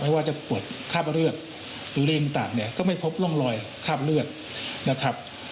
ว่าจะปวดคราบเลือดหรืออะไรต่างเนี่ยก็ไม่พบร่องรอยคราบเลือดนะครับ